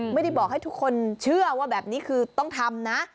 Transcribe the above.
ไม่ได้บอกให้ทุกคนเชื่อว่าแบบนี้คือต้องทำนะ